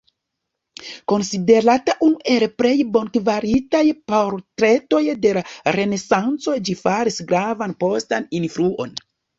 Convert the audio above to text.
Konsiderata unu el plej bonkvalitaj portretoj de la Renesanco, ĝi faris gravan postan influon.